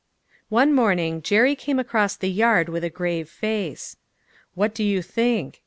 One morning Jerry came across the yard with a grave face. "What do you think?"